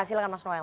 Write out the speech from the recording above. silahkan mas noel